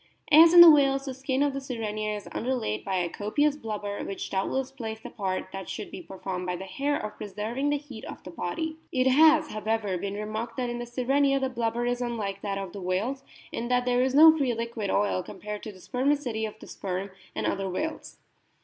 As in the whales, the skin of the Sirenia is under laid by a copious blubber, which doubtless plays the part, that should be performed by the hair, of pre serving the heat of the body. It has, however, been remarked that in the Sirenia the blubber is unlike that of the whales in that there is no free liquid oil comparable to the spermaceti of the Sperm and other whales.